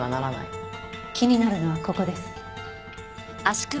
気になるのはここです。